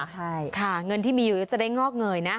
ใช่ค่ะเงินที่มีอยู่ก็จะได้งอกเงยนะ